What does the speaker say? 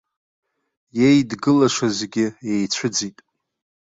Иеидгылашазгьы еицәыӡит.